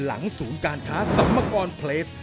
หลังศูนย์การค้าสัมมกรเพลต